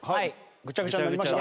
ぐちゃぐちゃになりました？